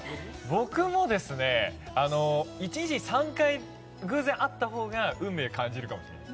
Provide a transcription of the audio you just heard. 僕も１日３回偶然会ったほうが運命を感じるかも。